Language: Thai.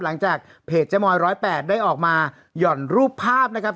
หลังจากเพจเจ๊มอย๑๐๘ได้ออกมาหย่อนรูปภาพนะครับ